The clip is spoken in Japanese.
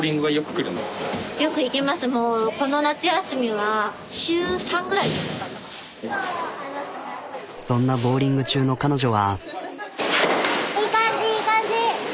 もうそんなボウリング中の彼女は。